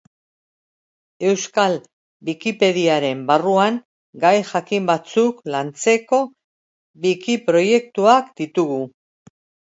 Euskal Wikipediaren barruan gai jakin batzuk lantzeko, wikiproiektuak ditugu.